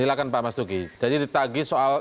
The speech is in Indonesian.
silahkan pak mas duki jadi ditagi soal